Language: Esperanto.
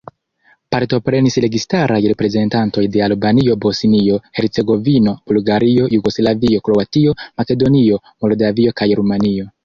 Partoprenis registaraj reprezentantoj de Albanio, Bosnio-Hercegovino, Bulgario, Jugoslavio, Kroatio, Makedonio, Moldavio kaj Rumanio.